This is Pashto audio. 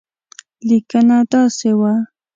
لیکنه داسې وه.